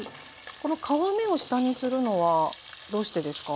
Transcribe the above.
この皮目を下にするのはどうしてですか？